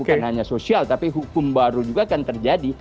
bukan hanya sosial tapi hukum baru juga akan terjadi